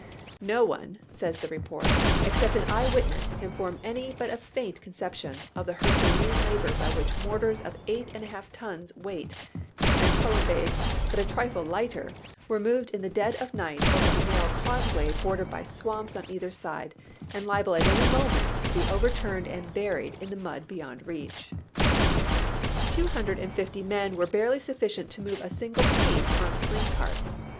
" No one," says the report, " except an eye witness, can form any but a faint conception of the herculean labor by which mortars of eight and a half tons weight and columbiads but a trifle lighter were moved in the dead of night over a narrow causeway bordered by swamps on either side, and liable at any moment to be over turned and buried in the mud beyond reach. .. 250 ABEAHAM LINCOLN ca.u>. XIV. Two liiiudi ed and fifty men were barely sufficient to move a single piece on sling carts.